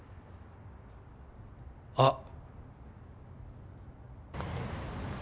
あっ。